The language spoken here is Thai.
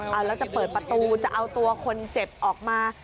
เอาแล้วจะเปิดประตูจะเอาตัวคนเจ็บออกมา